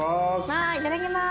わぁいただきます。